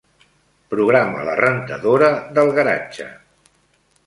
Programa la rentadora del garatge.